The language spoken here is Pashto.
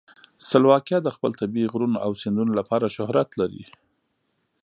سلواکیا د خپل طبیعي غرونو او سیندونو لپاره شهرت لري.